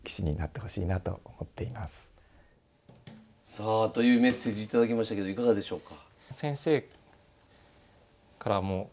さあというメッセージ頂きましたけどいかがでしょうか？